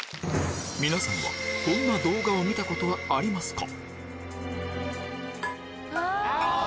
皆さんはこんな動画を見たことはありますか？